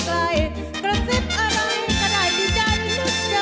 กระซิบอะไรก็ได้ดีใจทุกเจอ